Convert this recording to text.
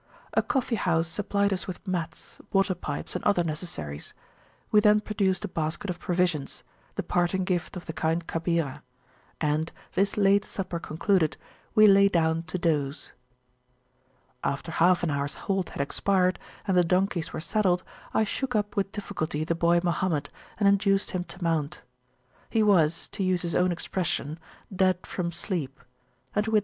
A coffee house supplied us with mats, water pipes, and other necessaries; we then produced a basket of provisions, the parting gift of the kind Kabirah, and, this late supper concluded, we lay down to doze. After half an hours halt had expired, and the donkeys were saddled, I shook up with difficulty the boy Mohammed, and induced him to mount. He was, to use his own expression, dead from sleep; and we had [p.